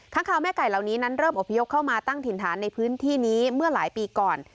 คาวแม่ไก่เหล่านี้นั้นเริ่มอพยพเข้ามาตั้งถิ่นฐานในพื้นที่นี้เมื่อหลายปีก่อน